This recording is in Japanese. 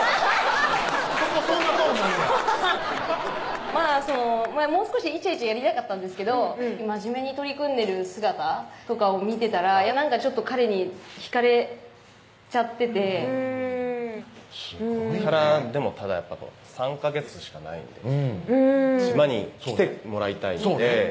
そこそんなトーンなんねやもう少しイチャイチャやりたかったんですけどマジメに取り組んでる姿とかを見てたら彼にひかれちゃっててうんこれからでもただやっぱ３ヵ月しかないんで島に来てもらいたいんでそうね